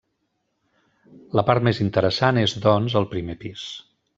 La part més interessant és doncs el primer pis.